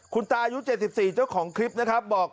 คุณตายุ๗๔เจ้าของคลิปนะครับบอก